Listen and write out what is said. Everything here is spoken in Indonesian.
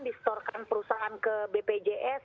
distorkan perusahaan ke bpjs